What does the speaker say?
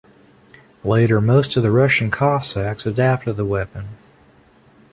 Later most of the Russian Cossacks adopted the weapon.